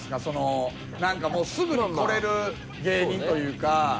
そのなんかもうすぐに来れる芸人というか。